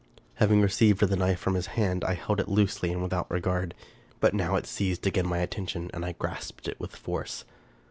Having received the knife from his hand, I held it loosely and without regard ; but now it seized again my attention, and I grasped it with force.